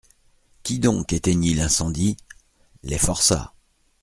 Qui donc éteignit l'incendie ? Les forçats.